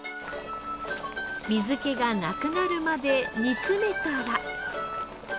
水気がなくなるまで煮詰めたら。